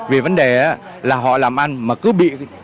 về vấn đề là họ làm ăn mà cứ bị